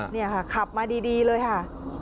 นี่ค่ะขับมาดีเลยค่ะ